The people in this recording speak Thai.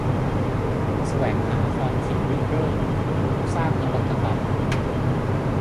แสวงหาความคิดริเริ่ม สร้างนวัตกรรม